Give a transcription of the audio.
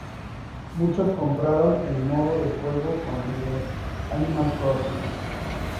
Muchos compararon el modo de juego con el de "Animal Crossing".